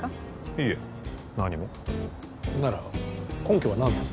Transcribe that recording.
いいえ何もなら根拠は何です？